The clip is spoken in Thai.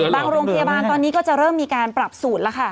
โรงพยาบาลตอนนี้ก็จะเริ่มมีการปรับสูตรแล้วค่ะ